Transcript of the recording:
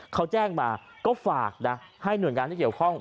เขาแจ้งมาก็ฝากนะให้หน่วยงานที่เกี่ยวข้อง